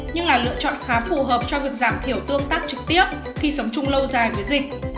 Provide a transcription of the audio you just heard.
nhưng là lựa chọn khá phù hợp cho việc giảm thiểu tương tác trực tiếp khi sống chung lâu dài với dịch